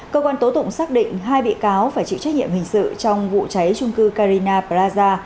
cơ quan tố tụng xác định hai bị cáo phải chịu trách nhiệm hình sự trong vụ cháy trung cư carina praza